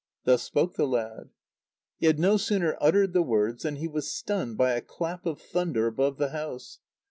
Thus spoke the lad. He had no sooner uttered the words than he was stunned by a clap of thunder above the house.